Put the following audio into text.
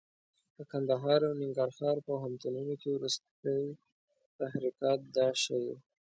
په کندهار او ننګرهار پوهنتونونو کې وروستي تحرکات دا ښيي.